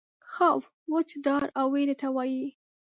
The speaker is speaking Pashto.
خوف وچ ډار او وېرې ته وایي.